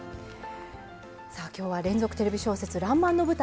さあ今日は連続テレビ小説「らんまん」の舞台